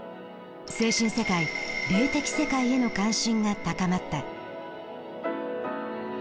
精神世界霊的世界への関心が高まった。